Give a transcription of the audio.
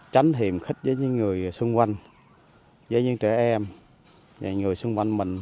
tránh hiềm khích với những người xung quanh với những trẻ em với những người xung quanh mình